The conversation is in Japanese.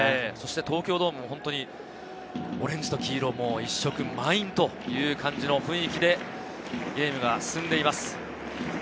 東京ドームも本当にオレンジと黄色一色、満員という感じの雰囲気でゲームが進んでいます。